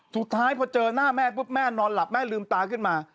สุดท้ายพอเจอหน้าแม่ปุ๊บแม่นอนหลับแม่ลืมตาขึ้นมา